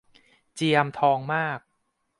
เจียม ทองมาก